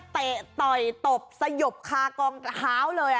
เตะต่อยตบสยบคากองคาวเลย